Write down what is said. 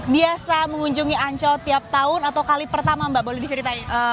biasa mengunjungi ancol tiap tahun atau kali pertama mbak boleh diceritain